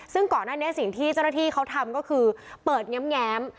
ซึ่งก่อนหน้านี้สิ่งที่เจ้าหน้าที่เขาทำก็คือเปิดแง้ม